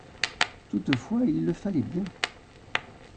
Toutefois il le fallait bien.